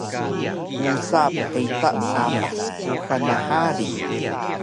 Usa pqita sapah spuhan nhari